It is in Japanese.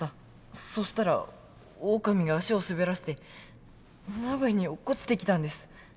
そしたらオオカミが足を滑らせて鍋に落っこちてきたんです。